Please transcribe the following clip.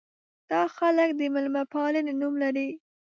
دا خلک د مېلمه پالنې نوم لري.